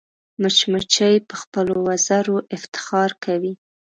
مچمچۍ په خپلو وزرو افتخار کوي